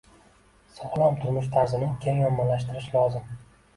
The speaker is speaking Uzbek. Sog‘lom turmush tarzini keng ommalashtirish lozim.